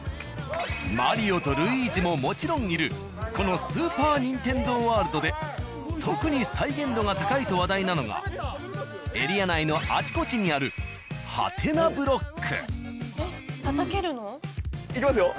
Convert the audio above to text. マリオとルイージももちろんいるこのスーパー・ニンテンドー・ワールドで特に再現度が高いと話題なのがエリア内のあちこちにあるはてなブロック。いきますよ。